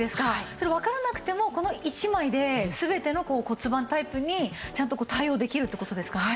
それがわからなくてもこの１枚で全ての骨盤タイプにちゃんと対応できるって事ですかね？